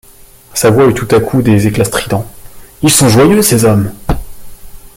Sa voix eut tout à coup des éclats stridents: — Ils sont joyeux, ces hommes!